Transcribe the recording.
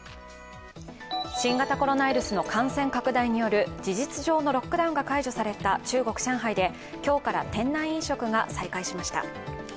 新型コロナウイルスの感染拡大による事実上のロックダウンが解除された中国・上海で今日から店内飲食が再開しました。